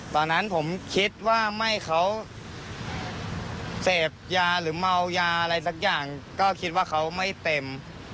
ตอนนั้นผมคิดว่าไม่เขาเสพยาหรือเมายาอะไรสักอย่างก็คิดว่าเขาไม่เต็ม